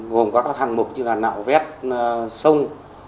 gồm có các hạng mục như là nạo vét sông